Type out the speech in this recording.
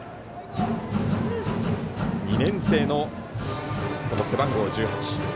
２年生の背番号１８。